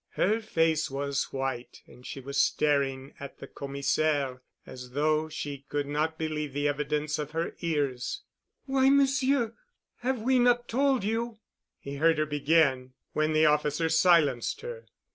Her face was white and she was staring at the Commissaire as though she could not believe the evidence of her ears. "Why, Monsieur, have we not told you——?" he heard her begin, when the officer silenced her.